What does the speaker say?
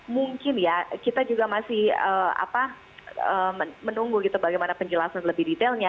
mungkin ya kita juga masih menunggu bagaimana penjelasan lebih detailnya